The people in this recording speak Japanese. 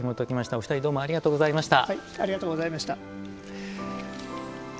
お２人どうもありがとうございました。